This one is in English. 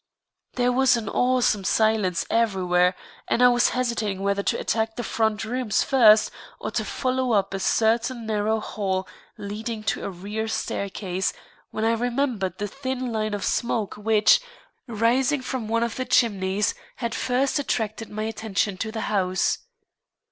There was an awesome silence everywhere, and I was hesitating whether to attack the front rooms first or to follow up a certain narrow hall leading to a rear staircase, when I remembered the thin line of smoke which, rising from one of the chimneys, had first attracted my attention to the house.